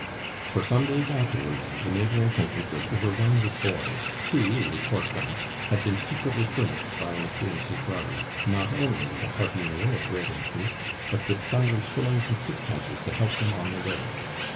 For some days afterwards, the neighbouring country was overrun with boys, who, the report went, had been secretly furnished by Mr. and Mrs Browdie, not only with a hearty meal of bread and meat, but with sundry shillings and sixpences to help them on their way.